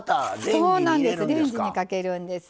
そうなんです。